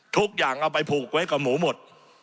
ทุกอย่างเอาไปผูกไว้กับหมูหมด